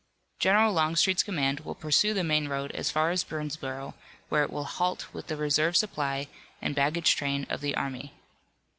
General Longstreet's command will pursue the main road as far as Boonsborough, where it will halt with the reserve supply and baggage train of the army.